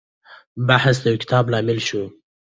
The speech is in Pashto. بحث د يو کتاب لامل شو.